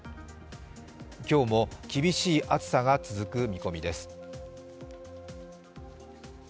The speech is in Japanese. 今日も厳しい暑さが続く見込みです。